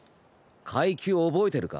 階級覚えてるか？